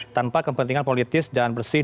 tanpa kepentingan politis dan bersih